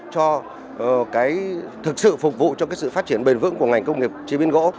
thực sự phục vụ cho sự phát triển bền vững của ngành công nghiệp chế biến gỗ